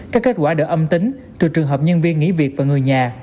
các kết quả đều âm tính từ trường hợp nhân viên nghỉ việc và người nhà